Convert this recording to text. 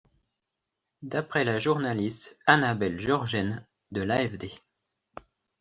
D'après la journaliste Annabelle Georgen, de l'AfD.